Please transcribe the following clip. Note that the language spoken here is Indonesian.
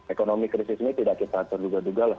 ekonomi krisis ini tidak kita atur duga duga lah